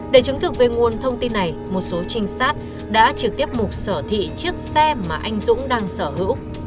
để chứng thực về nguồn thông tin này một số trinh sát đã trực tiếp mục sở thị chiếc xe mà anh dũng đang sở hữu